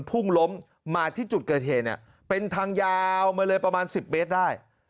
พุ่งล้มมาที่จุดเกิดเหตุเนี่ยเป็นทางยาวมาเลยประมาณ๑๐เมตรได้